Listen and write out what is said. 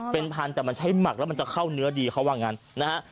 เป็นพันแต่มันใช้หมักแล้วมันจะเข้าเนื้อดีเขาว่างั้นนะฮะ